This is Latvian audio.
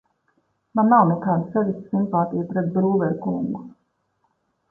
Man nav nekādu sevišķu simpātiju pret Brūvera kungu.